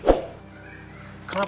kenapa kamu tidak mencari